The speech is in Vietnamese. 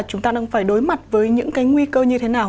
chúng ta đang phải đối mặt với những cái nguy cơ như thế nào